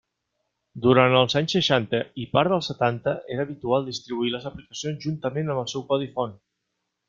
Durant els anys seixanta i part dels setanta era habitual distribuir les aplicacions juntament amb el seu codi font.